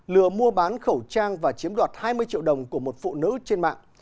lừa mua bán khẩu trang và chiếm đoạt hai mươi triệu đồng của một phụ nữ trên mạng